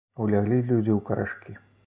Уляглі людзі ў карашкі.